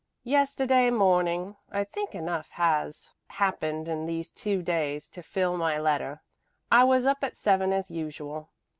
Yesterday morning I think enough has happened in these two days to fill my letter I was up at seven as usual.